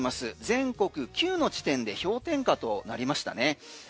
全国９の地点で氷点下となりましたね。